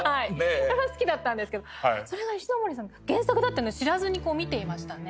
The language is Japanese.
あれは好きだったんですけどそれが石森さんの原作だって知らずに見ていましたね。